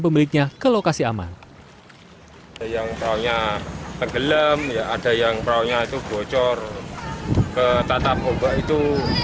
pemiliknya ke lokasi aman yang soalnya menggelam ya ada yang keraunya itu bocor ke tatap obat itu